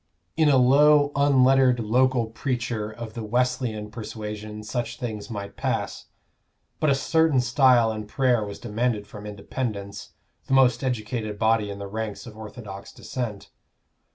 In a low unlettered local preacher of the Wesleyan persuasion such things might pass; but a certain style in prayer was demanded from Independents, the most educated body in the ranks of orthodox Dissent.